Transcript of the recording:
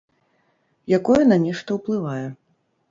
Якое на нешта ўплывае.